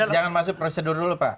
jangan masuk prosedur dulu pak